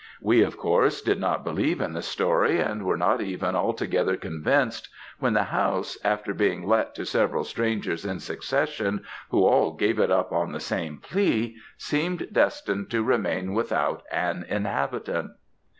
We, of course, did not believe in the story, and were not even altogether convinced when the house, after being let to several strangers in succession, who all gave it up on the same plea, seemed destined to remain without an inhabitant.